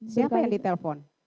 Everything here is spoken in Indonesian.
siapa yang ditelpon